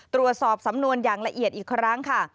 ตรวจสอบสำนวนอย่างละเอียดอีกครั้งค่ะ